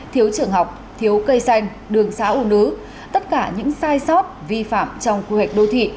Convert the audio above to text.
thiếu trường học thiếu cây xanh đường xã u nứ tất cả những sai sót vi phạm trong quy hoạch đô thị